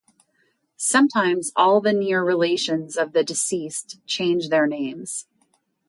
Sometimes all the near relations of the deceased change their names.